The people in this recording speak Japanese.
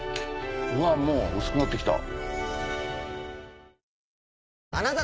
うわもう薄くなってきた。